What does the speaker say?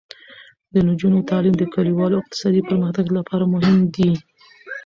د نجونو تعلیم د کلیوالو اقتصادي پرمختګ لپاره مهم دی.